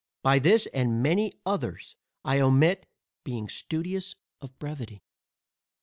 But this, and many others, I omit, being studious of brevity.